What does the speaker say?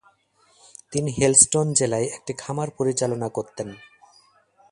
তিনি হেলস্টন জেলায় একটি খামার পরিচালনা করতেন।